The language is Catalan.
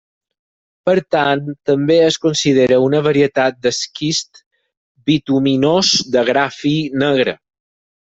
Per tant, també es considera una varietat d'esquist bituminós de gra fi negre.